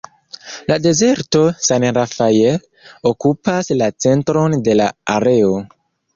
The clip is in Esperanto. La dezerto "San Rafael" okupas la centron de la areo.